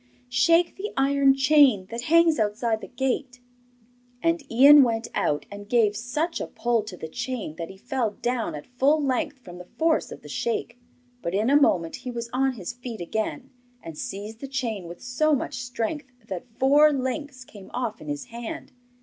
'Shake the iron chain that hangs outside the gate.' And Ian went out, and gave such a pull to the chain that he fell down at full length from the force of the shake. But in a moment he was on his feet again, and seized the chain with so much strength that four links came off in his hand.